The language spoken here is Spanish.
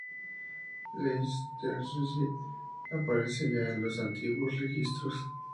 Leicestershire aparece ya en los antiguos registros.